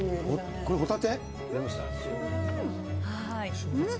これ、ホタテ？